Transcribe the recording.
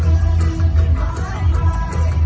สุดยอดมีสุดยอด